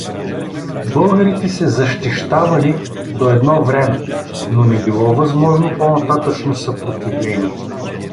Българите се защищавали до едно време, но не било възможно по-нататъшно съпротивление.